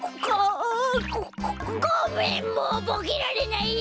ごめんもうボケられないや。